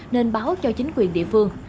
nên báo cho chính quyền địa phương